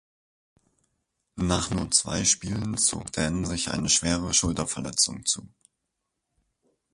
Nach nur zwei Spielen zog Dan sich eine schwere Schulterverletzung zu.